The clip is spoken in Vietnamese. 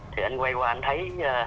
thì anh quay qua anh thấy